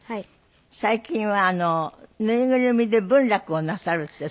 最近は縫いぐるみで文楽をなさるって。